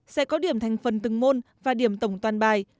sẽ có điểm thành phần từng môn và điểm tổng toàn bài